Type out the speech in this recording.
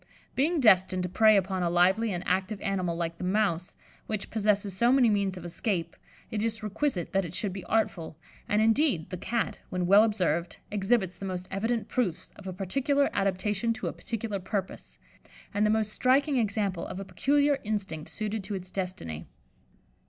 Being destined to prey upon a lively and active animal like the mouse, which possesses so many means of escape, it is requisite that it should be artful; and, indeed, the Cat, when well observed, exhibits the most evident proofs of a particular adaptation to a particular purpose, and the most striking example of a peculiar instinct suited to its destiny.